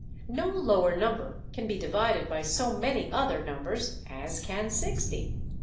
No lower number can be divided by so many other numbers as can sixty.